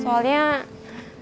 sejujurnya emang capek sih